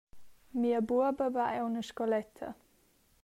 Mia buoba va aunc a scoletta.